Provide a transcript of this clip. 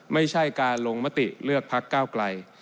ไม่ใช่การลงมติเลือกพักก้าวไกล